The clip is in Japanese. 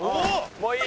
もういい？